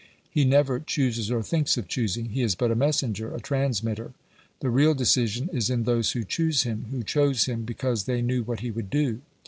He never chooses or thinks of choosing. He is but a messenger a transmitter; the real decision is in those who choose him who chose him because they knew what he would do.